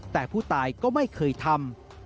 แต่ผู้ตายก็ไม่เคยทำ